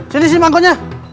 sini sini mangkoknya